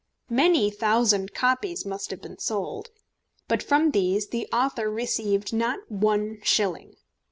Many thousand copies must have been sold. But from these the author received not one shilling.